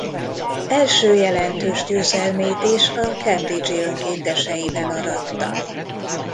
Első jelentős győzelmét is a cambridge-i önkénteseivel aratta.